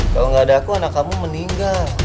kalau gak ada aku anak kamu meninggal